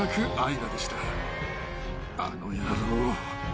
あの野郎。